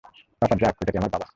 পাপা Drac, ঐটা কি আমার বাবা?